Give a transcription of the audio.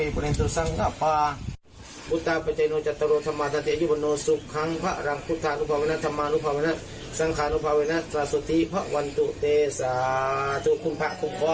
คนไทยเดี๋ยวลองดูหน่อยกันแล้วกันค่ะ